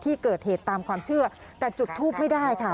ที่เกิดเหตุตามความเชื่อแต่จุดทูปไม่ได้ค่ะ